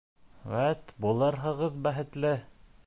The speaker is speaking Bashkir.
Вәт булырһығыҙ бәхетле!